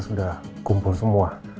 sudah kumpul semua